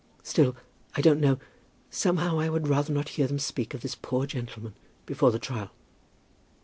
Still, I don't know, somehow I would rather not hear them speak of this poor gentleman before the trial."